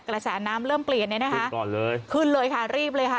กระแสน้ำเริ่มเปลี่ยนเลยนะคะก่อนเลยขึ้นเลยค่ะรีบเลยค่ะ